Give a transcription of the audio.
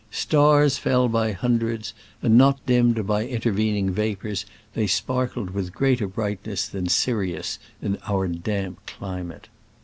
Stars fell by hundreds, and, not dimmed by intervening vapors, they sparkled with greater brightness than Sirius in our damp climate.